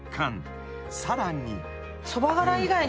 ［さらに］